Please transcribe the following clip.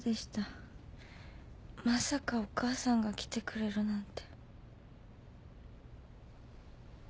まさかお母さんが来てくれるなんて。